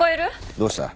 どうした？